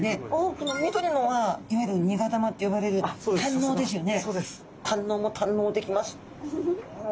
この緑のはいわゆる苦玉って呼ばれる胆のうですよね。